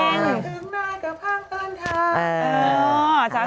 ถึงนายเป็นฟังเป้นท้าย